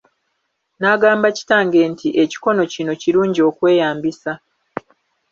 N'agamba kitange nti ekikono kino kirungi okweyambisa.